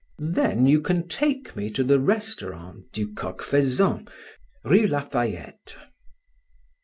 Then you can take me to the restaurant Du Coq Faisan, Rue Lafayette."